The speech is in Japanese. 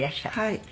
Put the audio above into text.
はい。